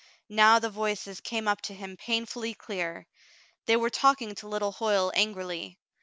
Now the voices came up to him painfully clear. They were talking to little Hoyle angrily.